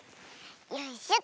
よいしょと。